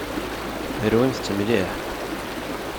Rwimt-t mliḥ.